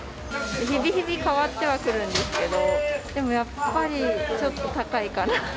日々日々変わってはくるんですけど、でもやっぱりちょっと高いかな。